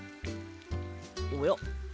おや？